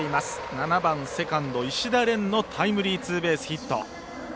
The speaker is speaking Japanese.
７番、セカンド石田恋のタイムリーツーベースヒット。